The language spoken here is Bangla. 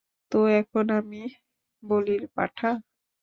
তো এখন আমি বলির পাঁঠা?